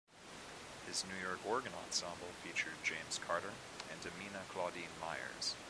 His New York Organ Ensemble featured James Carter and Amina Claudine Myers.